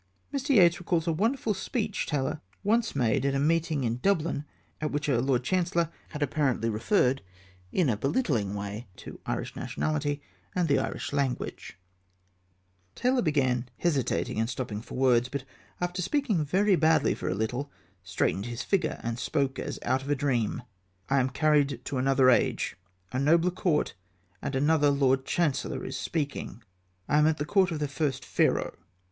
Mr. Yeats recalls a wonderful speech Taylor once made at a meeting in Dublin at which a Lord Chancellor had apparently referred in a belittling way to Irish nationality and the Irish language: Taylor began hesitating and stopping for words, but after speaking very badly for a little, straightened his figure and spoke as out of a dream: "I am carried to another age, a nobler court, and another Lord Chancellor is speaking. I am at the court of the first Pharaoh."